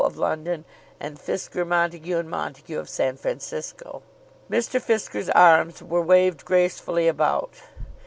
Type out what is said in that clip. of London, and Fisker, Montague, and Montague of San Francisco. Mr. Fisker's arms were waved gracefully about.